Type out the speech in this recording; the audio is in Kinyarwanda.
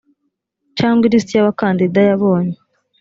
cyangwa ilisiti y abakandida yabonye